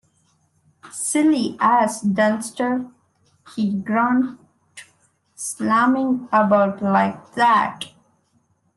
"Silly ass, Dunster," he groaned, "slamming about like that."